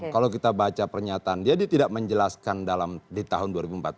kalau kita baca pernyataan dia dia tidak menjelaskan dalam di tahun dua ribu empat belas